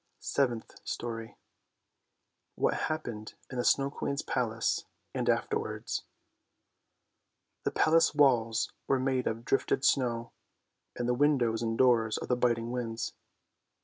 SEVENTH STORY WHAT HAPPENED IN THE SNOW QUEEN'S PALACE AND AFTERWARDS The Palace walls were made of drifted snow, and the windows and doors of the biting winds.